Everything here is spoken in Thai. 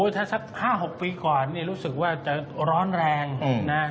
ถ้าสักห้าหกปีก่อนรู้สึกว่าจะร้อนแรงนะ